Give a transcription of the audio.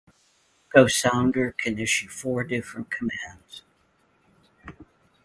The echosounder can issue four different commands.